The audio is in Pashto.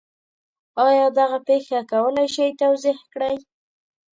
آیا دغه پېښه کولی شئ توضیح کړئ؟